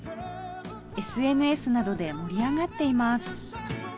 ＳＮＳ などで盛り上がっています